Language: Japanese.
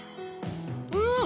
うん！